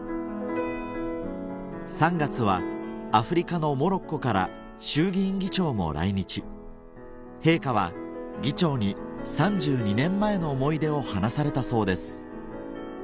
３月はアフリカのモロッコから衆議院議長も来日陛下は議長に３２年前の思い出を話されたそうです